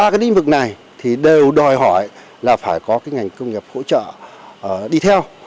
ba cái lĩnh vực này thì đều đòi hỏi là phải có cái ngành công nghiệp hỗ trợ đi theo